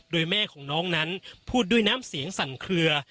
โดยแม่ของน้องนั้นพูดด้วยน้ำเสียงสั่นเคลือ